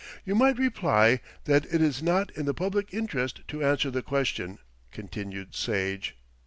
"You might reply that it is not in the public interest to answer the question," continued Sage.